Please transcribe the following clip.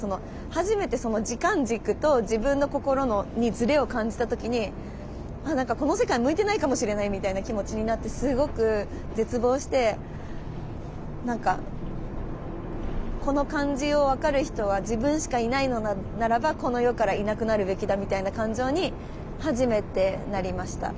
初めて時間軸と自分の心にズレを感じた時にこの世界向いてないかもしれないみたいな気持ちになってすごく絶望して何かこの感じを分かる人は自分しかいないのならばこの世からいなくなるべきだみたいな感情に初めてなりました。